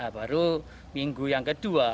baru minggu yang kedua